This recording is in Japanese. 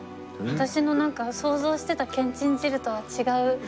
私の想像してたけんちん汁とは違う。